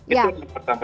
itu yang pertama